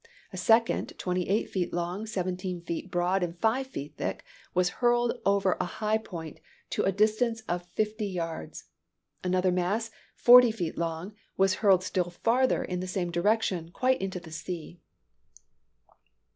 A second, twenty eight feet long, seventeen feet broad, and five feet thick, was hurled over a high point to a distance of fifty yards: another mass, forty feet long, was hurled still further in the same direction, quite into the sea.